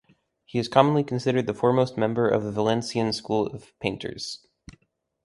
He is commonly considered the foremost member of the Valencian school of painters.